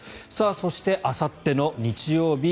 そしてあさっての日曜日